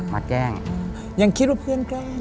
แกล้งยังคิดว่าเพื่อนแกล้ง